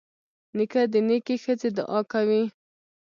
نیکه د نیکې ښځې دعا کوي.